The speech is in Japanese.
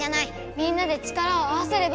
みんなで力を合わせれば。